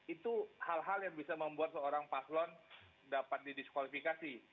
itu hal hal yang bisa membuat seorang paslon dapat didiskualifikasi